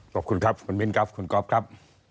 ขอบคุณครับคุณมิ้นครับคุณก๊อฟครับ